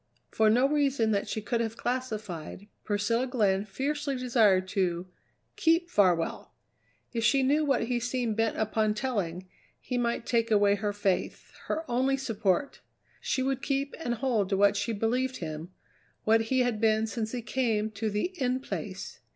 For no reason that she could have classified, Priscilla Glenn fiercely desired to keep Farwell! If she knew what he seemed bent upon telling, he might take away her faith her only support. She would keep and hold to what she believed him, what he had been since he came to the In Place.